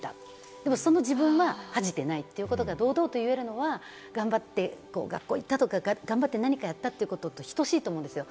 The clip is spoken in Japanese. でもその自分は恥じてないってことが堂々と言えるのは頑張って学校行ったとか、頑張って何かやったってことと等しいと思うでしょう。